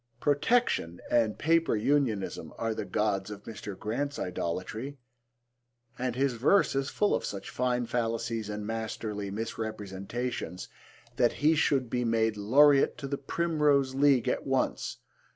Protection and Paper Unionism are the gods of Mr. Grant's idolatry, and his verse is full of such fine fallacies and masterly misrepresentations that he should be made Laureate to the Primrose League at once.